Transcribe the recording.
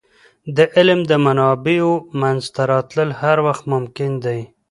د علم د منابعو منځته راتلل هر وخت ممکن دی.